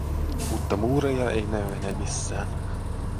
Mutta muureja ei näy enää missään.